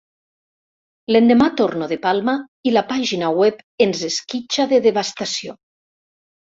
L'endemà torno de Palma i la pàgina web ens esquitxa de devastació.